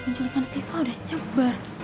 pencuri siva udah nyebar